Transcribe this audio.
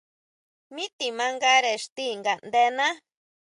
Mi te mandare ixti ngaʼndená.